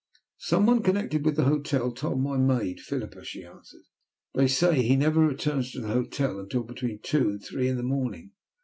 "Some one connected with the hotel told my maid, Phillipa," she answered. "They say he never returns to the hotel until between two and three in the morning."